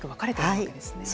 そうですね。